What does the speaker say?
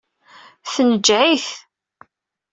Tneǧǧeɛ-it.